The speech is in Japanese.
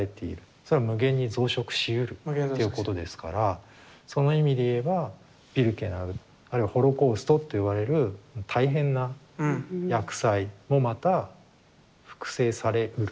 それは無限に増殖しうるということですからその意味で言えばビルケナウあるいはホロコーストっていわれる大変な厄災もまた複製されうる。